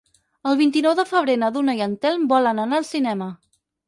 El vint-i-nou de febrer na Duna i en Telm volen anar al cinema.